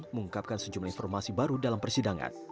mengungkapkan sejumlah informasi baru dalam persidangan